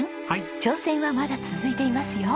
挑戦はまだ続いていますよ。